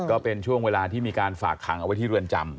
ก็เป็นช่วงเวลาที่มีการฝากขังเอาไว้ที่เรือนจำ